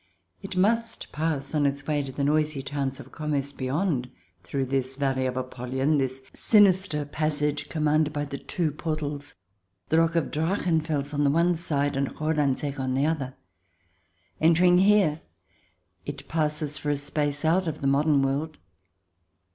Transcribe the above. It must pass on its way to the noisy towns of commerce beyond, through this Valley of Apollyon, this sinister passage commanded by the two portals — the rock of the Drachenfels on the one side, and Rolandseck on the other. Entering here, it passes for a space out of the modern world.